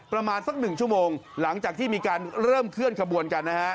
ประมาณสักหนึ่งชั่วโมงหลังจากที่มีการเริ่มเคลื่อนขบวนกันนะฮะ